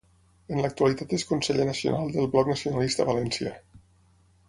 En l'actualitat és Conseller Nacional del Bloc Nacionalista Valencià.